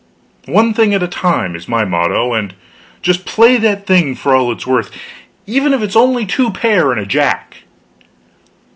One thing at a time, is my motto and just play that thing for all it is worth, even if it's only two pair and a jack.